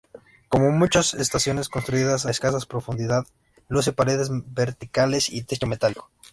Como muchas estaciones construidas a escasa profundidad luce paredes verticales y techo metálico.